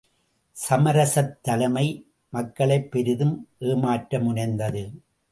சமரசத் தலைமை மக்களைப் பெரிதும் ஏமாற்ற முனைந்தது.